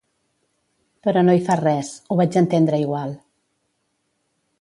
Però no hi fa res, ho vaig entendre igual.